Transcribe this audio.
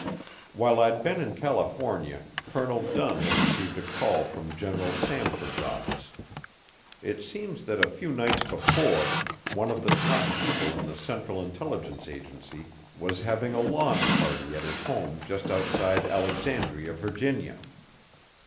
While I'd been in California, Colonel Dunn had received a call from General Samford's office. It seems that a few nights before, one of the top people in the Central Intelligence Agency was having a lawn party at his home just outside Alexandria, Virginia.